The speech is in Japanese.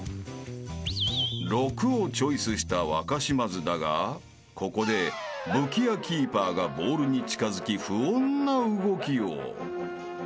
［６をチョイスした若島津だがここで武器屋キーパーがボールに近づき不穏な動きを］